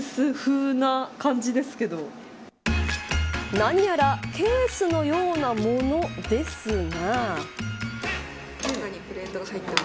何やらケースのようなもの、ですが。